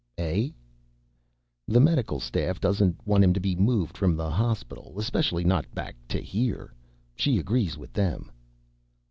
"Eh?" "The medical staff doesn't want him to be moved from the hospital ... especially not back to here. She agrees with them."